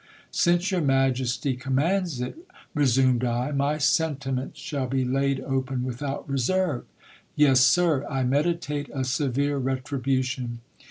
Since your majesty commands it, resumed I, my sentiments shall be laid open without reserve. Yes, sir, I meditate a severe retribution.